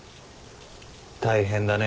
大変だね。